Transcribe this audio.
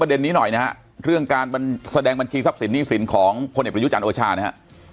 ประเด็นนี้หน่อยนะฮะเรื่องการมันแสดงบัญชีทรัพย์สินณี่สินของคนกำลังอยู่จากโอชานะฮะ